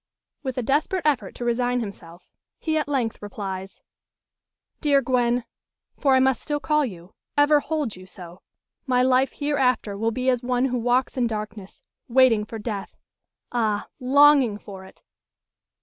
With a desperate effort to resign himself, he at length replies: "Dear Gwen! for I must still call you ever hold you so my life hereafter will be as one who walks in darkness, waiting for death ah, longing for it!"